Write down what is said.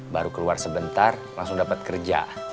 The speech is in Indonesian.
baru keluar sebentar langsung dapat kerja